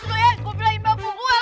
bilangin aja siapa takut